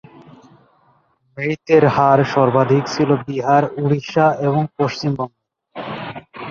মৃতের হার সর্বাধিক ছিল বিহার, উড়িষ্যা এবং পশ্চিমবঙ্গে।